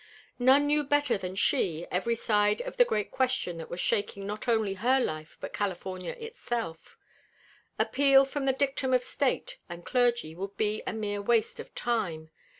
None knew better than she every side of the great question that was shaking not only her life but California itself. Appeal from the dictum of state and clergy would be a mere waste of time.